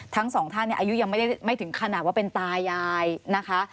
ทั้งสองท่านอายุยังไม่ได้ไม่ถึงขนาดว่าเป็นตายายนะคะ